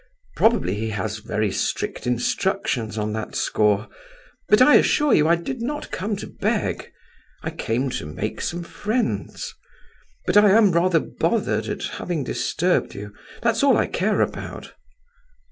Probably he has very strict instructions on that score; but I assure you I did not come to beg. I came to make some friends. But I am rather bothered at having disturbed you; that's all I care about.